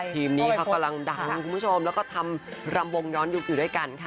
ทีมนี้เขากำลังดังคุณผู้ชมแล้วก็ทำรำวงย้อนยุคอยู่ด้วยกันค่ะ